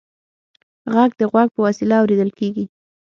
غږ د غوږ په وسیله اورېدل کېږي.